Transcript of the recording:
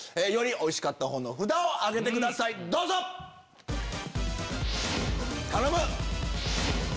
よりおいしかったほうの札を挙げてくださいどうぞ！頼む！